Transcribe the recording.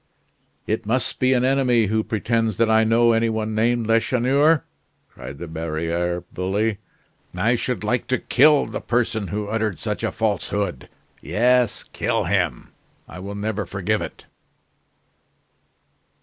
"It must be an enemy who pretends that I know any one named Lacheneur!" cried the barriere bully. "I should like to kill the person who uttered such a falsehood. Yes, kill him; I will never forgive it."